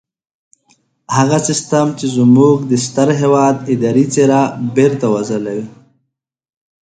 هغه سيستم چې زموږ د ستر هېواد اداري څېره بېرته وځلوي.